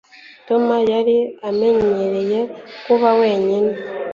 Tom yari amenyereye kuba wenyine